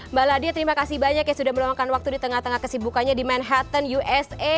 mbak ladia terima kasih banyak ya sudah meluangkan waktu di tengah tengah kesibukannya di manhattan usa